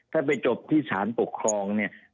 ถ้าไปจบที่สารปกครองเนี่ย